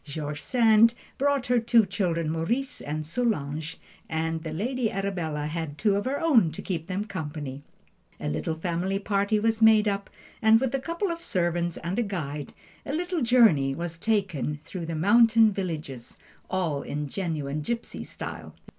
George Sand brought her two children, Maurice and Solange, and the "Lady Arabella" had two of her own to keep them company. A little family party was made up, and with a couple of servants and a guide, a little journey was taken through the mountain villages, all in genuine gipsy style.